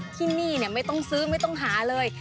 ที่นี่ไม่ต้องซื้อไม่ต้องหาเลย